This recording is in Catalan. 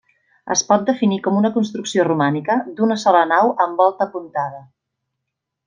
Es pot definir com una construcció romànica, d'una sola nau amb volta apuntada.